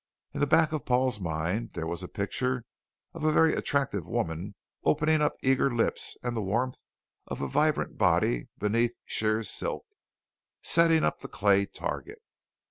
In the back of Paul's mind there was a picture of a very attractive woman offering up eager lips and the warmth of a vibrant body beneath sheer silk setting up the clay target.